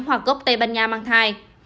hoặc gốc tây ban nha mang thai